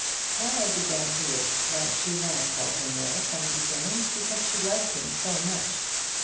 Clara began to wish that she had called him Will from the beginning, because she liked him so much.